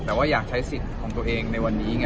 แต่ว่าอยากใช้สิทธิ์ของตัวเองในวันนี้ไง